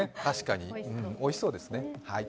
確かにおいしそうですね。